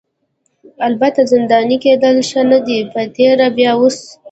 البته زنداني کیدل ښه نه دي په تېره بیا اوس.